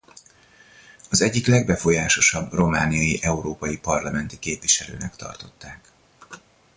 Az egyik legbefolyásosabb romániai európai parlamenti képviselőnek tartották.